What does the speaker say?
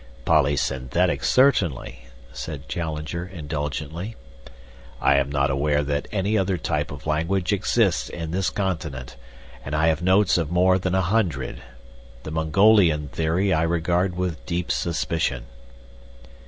"Polysynthetic certainly," said Challenger, indulgently. "I am not aware that any other type of language exists in this continent, and I have notes of more than a hundred. The Mongolian theory I regard with deep suspicion."